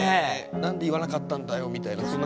何で言わなかったんだよみたいなそんな感じ？